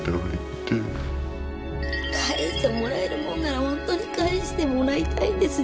かえしてもらえるものなら本当にかえしてもらいたいんです